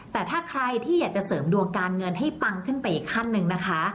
แต่ถ้าใครที่อยากจะเสริมดวงการเงินให้ปังขึ้นไปอีกขั้นหนึ่งนะคะ